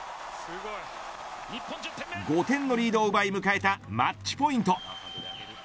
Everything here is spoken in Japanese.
５点のリードを奪い迎えたマッチポイント。